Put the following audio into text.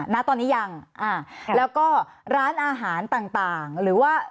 ณตอนนี้ยังอ่าแล้วก็ร้านอาหารต่างหรือว่า